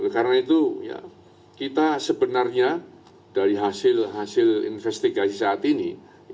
karena itu kita sebenarnya dari hasil hasil investigasi saat ini